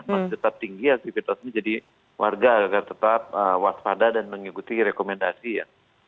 masih tetap tinggi aktivitasnya jadi warga agar tetap waspada dan mengikuti rekomendasi ya